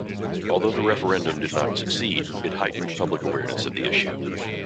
Although the referendum did not succeed, it heightened public awareness of the issue.